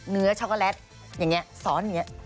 เนื้อช็อกโกแลตอย่างเงี้ยซ้อนอย่างเงี้ย